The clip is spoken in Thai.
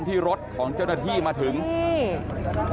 เพื่อนบ้านเจ้าหน้าที่อำรวจกู้ภัย